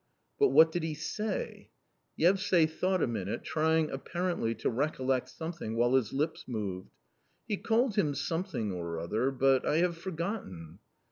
" But what did he say ?" Yevsay thought a minute, trying apparently to recollect something while his lips moved. " He called him something or other, but I have for gotten."